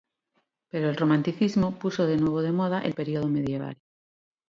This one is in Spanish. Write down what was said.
Pero el romanticismo puso de nuevo de moda el periodo medieval.